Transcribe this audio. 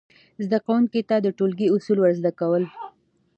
زده کوونکو ته د ټولګي اصول ور زده کول،